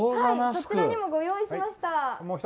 そちらにもご用意しました。